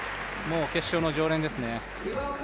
決勝の常連ですね。